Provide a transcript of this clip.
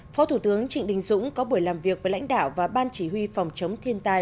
phó thủ tướng trịnh đình dũng có buổi làm việc với lãnh đạo và ban chỉ huy phòng chống thiên tai